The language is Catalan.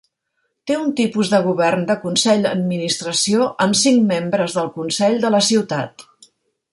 Té un tipus de govern de consell-administració amb cinc membres del consell de la ciutat.